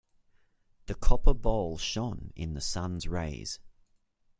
The copper bowl shone in the sun's rays.